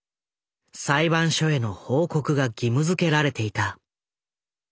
裁判所への報告が義務付けられていた。